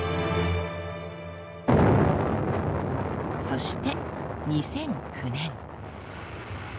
そして２００９年。